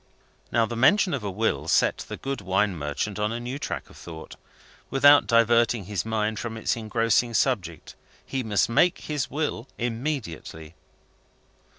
Now, the mention of his will set the good wine merchant on a new track of thought, without diverting his mind from its engrossing subject. He must make his will immediately.